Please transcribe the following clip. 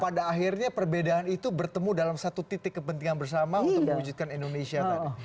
pada akhirnya perbedaan itu bertemu dalam satu titik kepentingan bersama untuk mewujudkan indonesia tadi